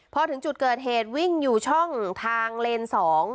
พอถึงจุดเกิดเหตุวิ่งอยู่ช่องทางเลน๒